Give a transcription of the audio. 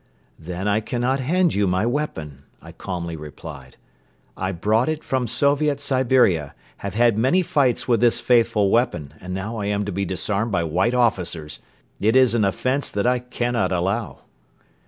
"Then I cannot hand you my weapon," I calmly replied. "I brought it from Soviet Siberia, have had many fights with this faithful weapon and now I am to be disarmed by White officers! It is an offence that I cannot allow."